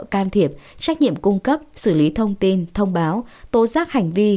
can thiệp trách nhiệm cung cấp xử lý thông tin thông báo tố giác hành vi